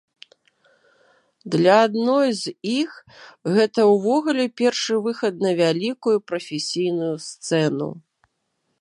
Для адной з іх гэта ўвогуле першы выхад на вялікую прафесійную сцэну.